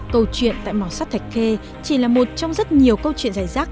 câu chuyện tại mỏ sắt thạch khê chỉ là một trong rất nhiều câu chuyện dài rác